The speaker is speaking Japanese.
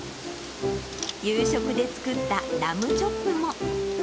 夕食で作ったラムチョップも。